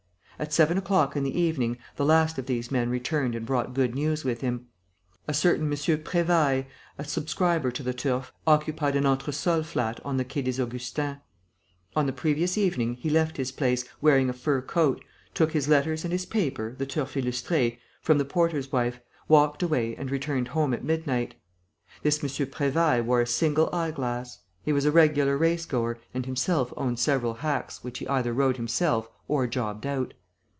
At seven o'clock in the evening, the last of these men returned and brought good news with him. A certain M. Prévailles, a subscriber to the Turf, occupied an entresol flat on the Quai des Augustins. On the previous evening, he left his place, wearing a fur coat, took his letters and his paper, the Turf Illustré, from the porter's wife, walked away and returned home at midnight. This M. Prévailles wore a single eyeglass. He was a regular race goer and himself owned several hacks which he either rode himself or jobbed out.